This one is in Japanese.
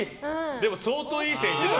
でも相当いい線いってた。